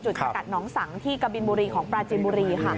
สกัดน้องสังที่กะบินบุรีของปราจินบุรีค่ะ